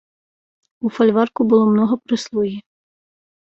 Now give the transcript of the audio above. У фальварку было многа прыслугі.